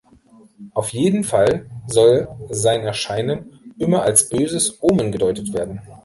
Auf jeden Fall soll sein Erscheinen immer als böses Omen gedeutet werden.